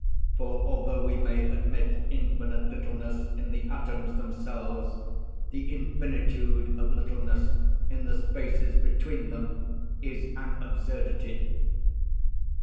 For although we may admit infinite littleness in the atoms themselves, the infinitude of littleness in the spaces between them is an absurdity.